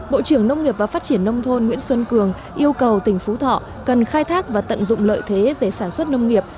bộ trưởng nông nghiệp và phát triển nông thôn nguyễn xuân cường yêu cầu tỉnh phú thọ cần khai thác và tận dụng lợi thế về sản xuất nông nghiệp